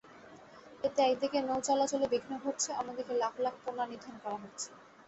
এতে একদিকে নৌ-চলাচলে বিঘ্ন ঘটছে, অন্যদিকে লাখ লাখ পোনা নিধন করা হচ্ছে।